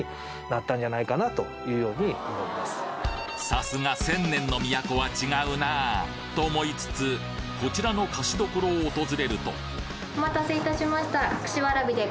さすが千年の都は違うなと思いつつこちらの菓子処を訪れるとお待たせいたしました。